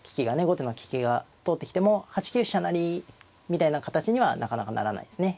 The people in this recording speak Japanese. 後手の利きが通ってきても８九飛車成みたいな形にはなかなかならないですね。